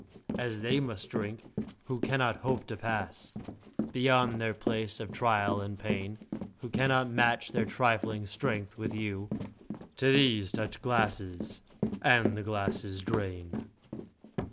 As they must drink, who cannot hope to pass Beyond their place of trial and of pain. Who cannot match their trifling strength with you; To these, touch glasses — ^and the glasses drain